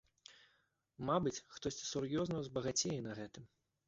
Мабыць, хтосьці сур'ёзна ўзбагацее на гэтым.